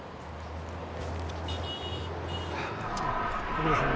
ご苦労さま。